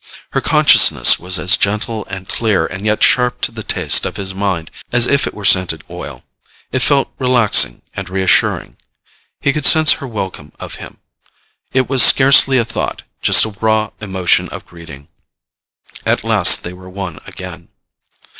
Her consciousness was as gentle and clear and yet sharp to the taste of his mind as if it were scented oil. It felt relaxing and reassuring. He could sense her welcome of him. It was scarcely a thought, just a raw emotion of greeting. At last they were one again.